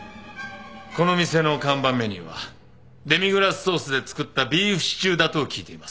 この店の看板メニューはデミグラスソースで作ったビーフシチューだと聞いています。